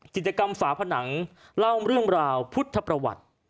จิตกรรมฝาผนังเล่าเรื่องราวพุทธประวัติ